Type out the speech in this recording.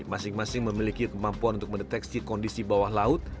masing masing memiliki kemampuan untuk mendeteksi kondisi bawah laut